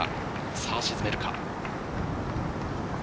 さぁ、沈めるか。